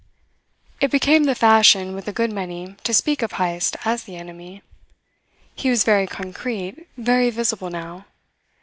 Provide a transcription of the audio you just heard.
It became the fashion with a good many to speak of Heyst as the Enemy. He was very concrete, very visible now.